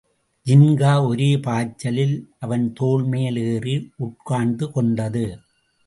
ஜின்கா ஒரே பாய்ச்சலில் அவன் தோள் மேல் ஏறி உட்கார்ந்துகொண்டது.